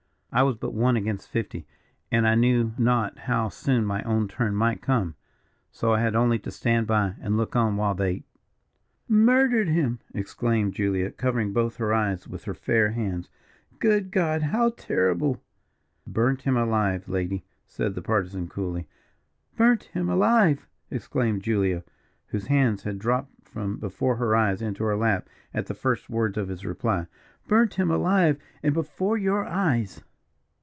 I was but one against fifty, and I knew not how soon my own turn might come: so I had only to stand by and look on while they " "Murdered him!" exclaimed Julia, covering both her eyes with her fair hands; "good God! how terrible!" "Burnt him alive, lady," said the Partisan, coolly. "Burnt him alive!" exclaimed Julia, whose hands had dropped from before her eyes into her lap at the first words of his reply. "Burnt him alive, and before your eyes!"